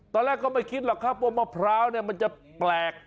ตอนแรกก็ไม่คิดหรอกครับว่ามะพร้าวเนี่ยมันจะแปลก